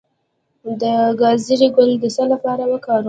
د ګازرې ګل د څه لپاره وکاروم؟